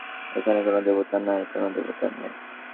এখানে কোনো দেবতা নাই, কোনো দেবতা নাই।